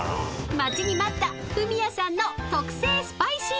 ［待ちに待ったフミヤさんの特製スパイシー